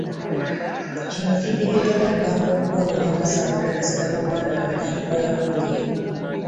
Kino kiddiridde Nabbanja okulondebwa nga Ssaabaminisita w’eggwanga ku ntandikwa ya wiiki eno.